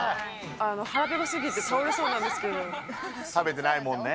腹ペコすぎて倒れそうなんで食べてないもんね。